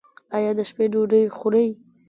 ایا د شپې ډوډۍ خورئ؟